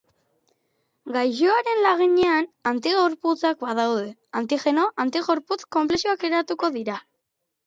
Gaixoaren laginean antigorputzak badaude, antigeno-antigorputz konplexuak eratuko dira.